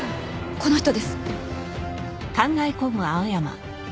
この人です。